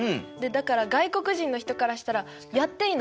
だから外国人の人からしたら「やっていいの？